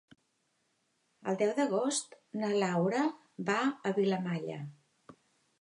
El deu d'agost na Laura va a Vilamalla.